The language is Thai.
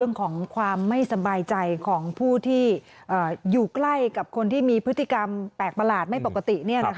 เรื่องของความไม่สบายใจของผู้ที่อยู่ใกล้กับคนที่มีพฤติกรรมแปลกประหลาดไม่ปกติ